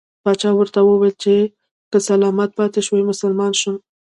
پاچا ورته وویل چې که سلامت پاته شوې مسلمان شم.